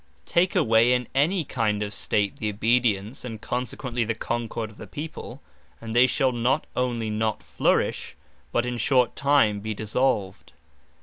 Take away in any kind of State, the Obedience, (and consequently the Concord of the People,) and they shall not onely not flourish, but in short time be dissolved.